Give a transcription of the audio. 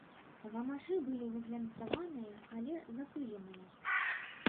Гамашы былі выглянцаваныя, але запыленыя.